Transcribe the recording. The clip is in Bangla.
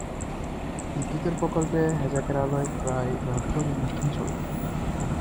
বিদ্যুতের বিকল্পে হ্যাজাকের আলোয় প্রায় রাতভর এ অনুষ্ঠান চলে।